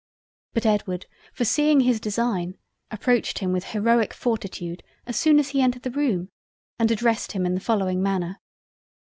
But Edward foreseeing his design, approached him with heroic fortitude as soon as he entered the Room, and addressed him in the following Manner.